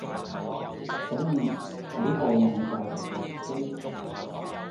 所以，喺漢語教學過程中